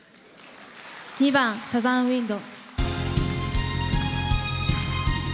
２番「サザン・ウインド」。